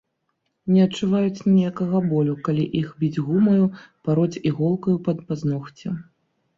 Не адчуваюць ніякага болю, калі іх біць гумаю, пароць іголкаю пад пазногці.